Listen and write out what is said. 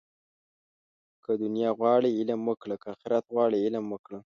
که دنیا غواړې، علم وکړه. که آخرت غواړې علم وکړه